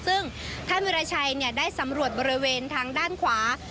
ซึ่งท่านวิราชัยได้สำรวจบริเวณทางด้านขวา